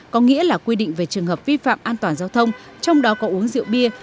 có nghĩa là quy định về trường hợp vi phạm an toàn giao thông trong đó có uống rượu bia